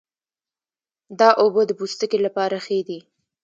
دا اوبه د پوستکي لپاره ښې دي.